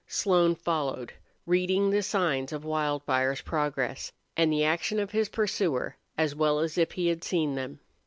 Slone followed, reading the signs of Wildfire's progress, and the action of his pursuer, as well as if he had seen them.